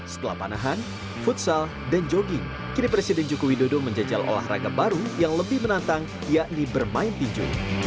setelah panahan futsal dan jogging kini presiden joko widodo menjajal olahraga baru yang lebih menantang yakni bermain tinju